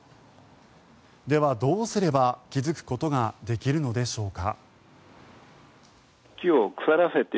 では、どうすれば気付くことができるのでしょうか。